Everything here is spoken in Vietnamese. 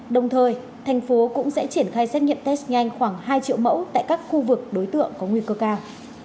đồng thời thành phố cũng sẽ triển khai xét nghiệm test nhanh khoảng hai triệu mẫu tại các khu vực đối tượng có nguy cơ cao